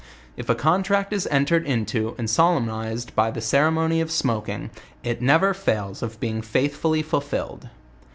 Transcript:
If a contract is entered into and solemnized by the ceremony of smoking, it never fails of being faithfully fulfilled..